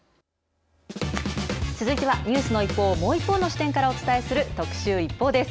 続いてはニュースの一報をもう一方の視点からお伝えする特集ＩＰＰＯＵです。